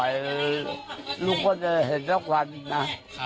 พอไปเห็นแล้วก็ช่วยอะไรไม่ได้เลยใช่มั้ยคะ